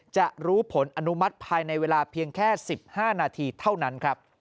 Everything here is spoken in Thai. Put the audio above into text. จะรู้ผลอนุมัติภายในเวลาเพียงแค่๑๕นาทีเท่านั้นครับ